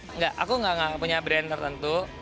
enggak aku nggak punya brand tertentu